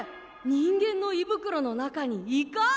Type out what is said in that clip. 人間の胃袋の中にイカ！？